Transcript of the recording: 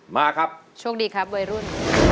มาครับโชคดีครับวัยรุ่น